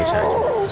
kenapa ga ada doorway